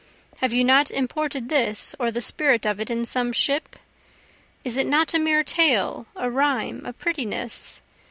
Have you not imported this or the spirit of it in some ship? Is it not a mere tale? a rhyme? a prettiness?